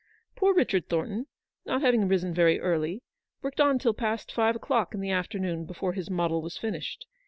Poor Richard Thornton, not having risen very early, worked on till past five o'clock in the afternoon before his model was finished.